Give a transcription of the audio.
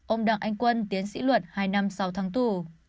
ông đặng anh quân tiến sĩ luật hai năm sáu tháng tù